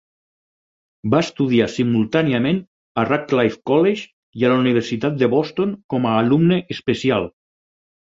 Va estudiar simultàniament a Radcliffe College i a la universitat de Boston com a alumne especial.